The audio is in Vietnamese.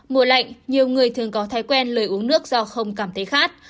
mùa lạnh nhiều người thường có thói quen lời uống nước do không cảm thấy khát